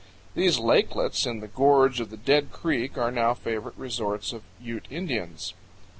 These lakelets in the gorge of the dead creek are now favorite resorts of Ute Indians.